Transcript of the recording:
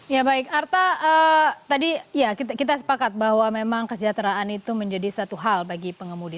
ya baik arta tadi ya kita sepakat bahwa memang kesejahteraan itu menjadi satu hal bagi pengemudi